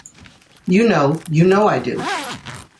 You know, you know I do!